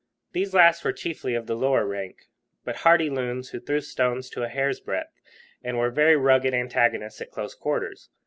These last were chiefly of the lower rank, but hardy loons, who threw stones to a hair's breadth and were very rugged antagonists at close quarters.